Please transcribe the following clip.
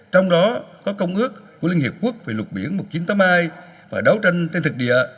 trong đó có công ước của liên hiệp quốc về luật biển một nghìn chín trăm tám mươi hai và đấu tranh trên thực địa